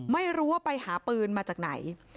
ไม่รู้ว่าไปหาปืนมาจากไหน